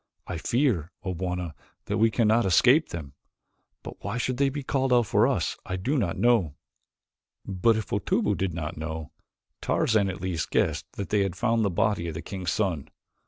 I fear, O Bwana, that we cannot escape them. But why they should be called out for us I do not know." But if Otobu did not know, Tarzan at least guessed that they had found the body of the king's son.